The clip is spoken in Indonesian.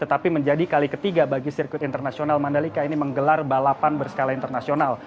tetapi menjadi kali ketiga bagi sirkuit internasional mandalika ini menggelar balapan berskala internasional